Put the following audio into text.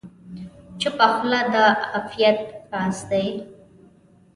چپه خوله، د عافیت راز دی.